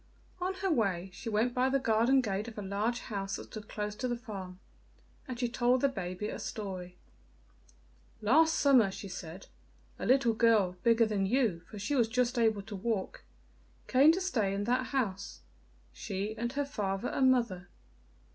On her way she went by the garden gate of a large house that stood close to the farm, and she told the baby a story: "Last summer," she said, "a little girl, bigger than you, for she was just able to walk, came to stay in that house she and her father and mother.